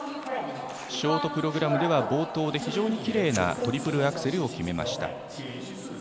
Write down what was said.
ショートプログラムでは冒頭で非常にきれいなトリプルアクセルを決めました。